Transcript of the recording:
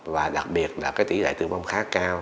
và đặc biệt là tỷ lệ tử vong khá cao